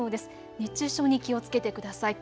熱中症に気をつけてください。